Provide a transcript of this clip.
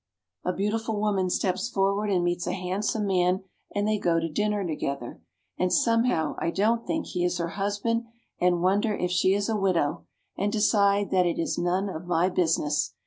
A beautiful woman steps forward and meets a handsome man and they go to dinner together, and somehow I don't think he is her husband and wonder if she is a widow and decide that it is none of my business.